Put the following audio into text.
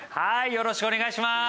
よろしくお願いします。